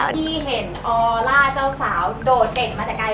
ที่เห็นออล่าเจ้าสาวโดดเด่นมาแต่ไกล